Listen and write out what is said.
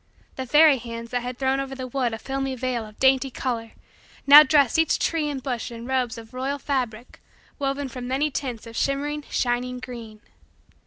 The fairy hands that had thrown over the wood a filmy veil of dainty color now dressed each tree and bush in robes of royal fabric woven from many tints of shimmering, shining, green.